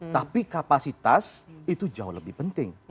tapi kapasitas itu jauh lebih penting